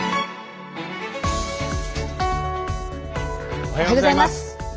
おはようございます。